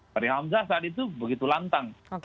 fahri hamzah saat itu begitu lantang